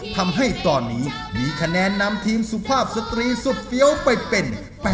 ทำให้ตอนนี้มีคะแนนนำทีมสุภาพสตรีสุดเฟี้ยวไปเป็น๘๐